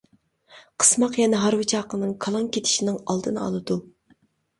قىسماق يەنە ھارۋا چاقىنىڭ كالاڭ كېتىشىنىڭ ئالدىنى ئالىدۇ.